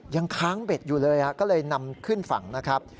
ยังค้างเบ็ดอยู่เลยก็เลยนำขึ้นฝั่งนะครับ